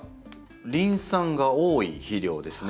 リン酸が多い肥料ですね。